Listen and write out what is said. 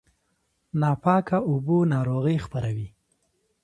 ناپاکه اوبه ناروغي خپروي.